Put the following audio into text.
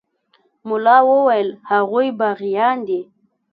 ملا وويل هغوى باغيان دي.